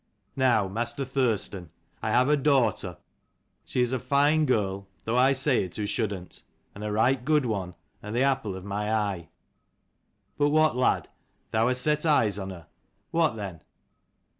Now, Master Thurstan, I've a daughter. She is a fine girl, though I say it who shouldn't; and a right good one, and the apple of my eye. But what, lad, thou hast set eyes on her. What then?"